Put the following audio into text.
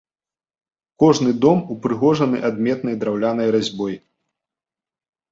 Кожны дом упрыгожаны адметнай драўлянай разьбой.